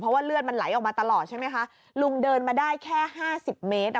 เพราะว่าเลือดมันไหลออกมาตลอดใช่ไหมคะลุงเดินมาได้แค่ห้าสิบเมตรอ่ะ